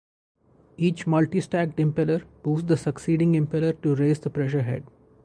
Each multi stacked impeller boosts the succeeding impeller to raise the pressure head.